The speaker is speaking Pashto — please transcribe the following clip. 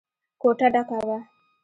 کوټه ډکه وه.